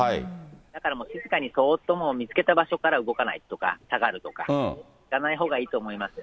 だからもう、静かに、そーっともう、見つけた場所から動かないとか、下がるとか、しないほうがいいと思いますね。